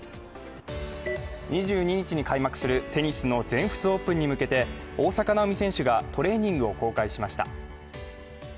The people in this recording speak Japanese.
２２日に開幕するテニスの全仏オープンに向けて、大坂なおみ選手がトレーニングを公開しました。